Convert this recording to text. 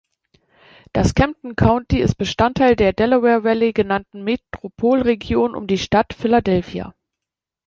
Das Camden County ist Bestandteil der Delaware Valley genannten Metropolregion um die Stadt Philadelphia.